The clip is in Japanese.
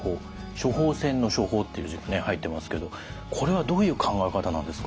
「処方せん」の「処方」っていう字が入ってますけどこれはどういう考え方なんですか？